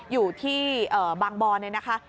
อยู่ที่บางบอนเนี่ยนะคะ